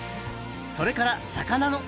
それから魚の「鮭」！